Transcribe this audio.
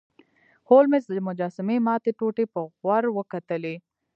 هولمز د مجسمې ماتې ټوټې په غور وکتلې.